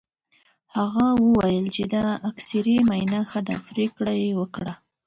هغه وویل چې د اېکسرې معاینه ښه ده، پرېکړه یې وکړه.